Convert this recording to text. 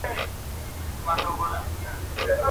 چي مي لاستی له خپل ځانه دی نړېږم.